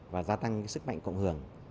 và gia tăng sức mạnh cộng hưởng